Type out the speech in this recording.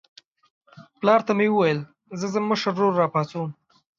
پلار ته مې وویل زه ځم مشر ورور راپاڅوم.